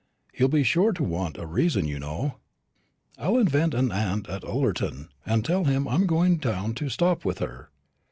He'll be sure to want a reason, you know." "I'll invent an aunt at Ullerton, and tell him I'm going down to stop with her."